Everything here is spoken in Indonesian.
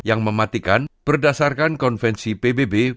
yang mematikan berdasarkan konvensi pbb